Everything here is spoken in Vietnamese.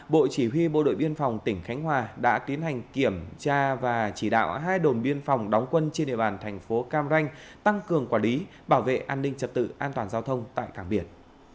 bộ chỉ huy bộ đội biên phòng tỉnh khánh hòa đã tiến hành kiểm tra và chỉ đạo hai đồn biên phòng đóng quân trên địa bàn thành phố cam ranh tăng cường quản lý bảo vệ an ninh trật tự an toàn giao thông tại cảng biển